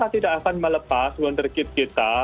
bahwa kita tidak akan melepas wonderkid kita